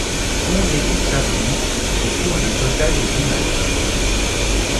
Onze équipes s'affrontent au cours d'un total de dix matchs.